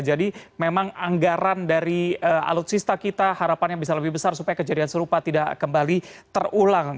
jadi memang anggaran dari alutsista kita harapan yang bisa lebih besar supaya kejadian serupa tidak kembali terulang